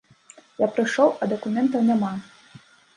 Я прыйшоў, а дакументаў няма.